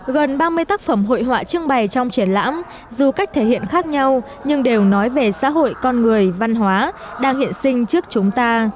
gần ba mươi tác phẩm hội họa trưng bày trong triển lãm dù cách thể hiện khác nhau nhưng đều nói về xã hội con người văn hóa đang hiện sinh trước chúng ta